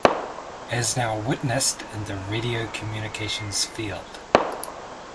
As now witnessed in the "radio communications" field.